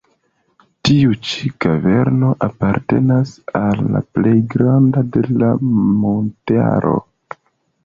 Tiu ĉi kaverno apartenas al la plej grandaj de la montaro.